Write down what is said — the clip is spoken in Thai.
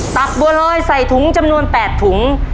ักบัวลอยใส่ถุงจำนวน๘ถุง